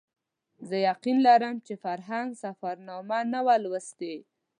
زه یقین لرم چې فرهنګ سفرنامه نه وه لوستې.